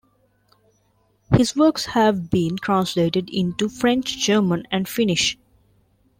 His works have been translated into French, German and Finnish.